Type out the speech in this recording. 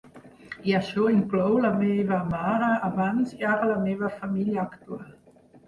I això inclou la meva mare abans i ara la meva família actual.